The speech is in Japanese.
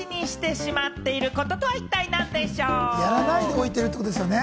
やらないでおいてるってことですよね。